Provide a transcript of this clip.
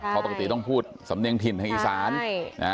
เพราะปกติต้องพูดสำเนียงถิ่นทางอีสาน